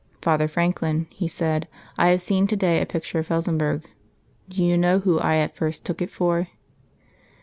"Father Franklin," he said, "I have seen to day a picture of Felsenburgh. Do you know whom I at first took it for?"